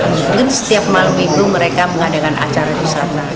mungkin setiap malam minggu mereka mengadakan acara di sana